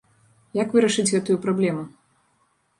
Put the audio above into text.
Як вырашыць гэтую праблему?